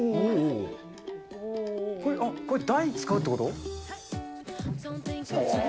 これ、台使うってこと？